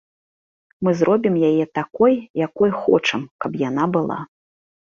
Мы зробім яе такой, якой хочам, каб яна была.